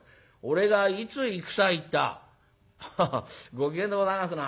「ご機嫌でございますな。